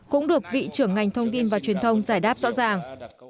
cũng được vị trưởng ngành thông tin và truyền thông giải đáp rõ ràng